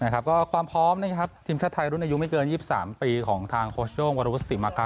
ก็ความพร้อมทีมชาติไทยรุ่นอายุไม่เกิน๒๓ปีของทางโค้ชโย่งวันรุษฎิษฐ์ศิลปะคะ